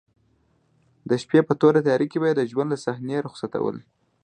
د شپې په توره تیاره کې به یې د ژوند له صحنې رخصتول.